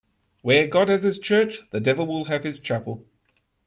Where God has his church, the devil will have his chapel